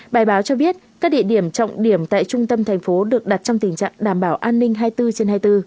bài báo cho biết các địa điểm trọng điểm tại trung tâm thành phố được đặt trong tình trạng đảm bảo an ninh hai mươi bốn trên hai mươi bốn